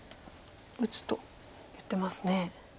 打つと言ってますね。